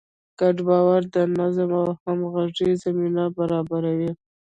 ګډ باور د نظم او همغږۍ زمینه برابروي.